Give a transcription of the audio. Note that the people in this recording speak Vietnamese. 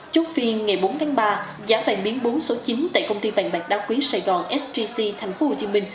chốt phiên ngày bốn tháng ba giá vàng miếng bốn số chín tại công ty vàng bạc đá quý sài gòn sgc tp hcm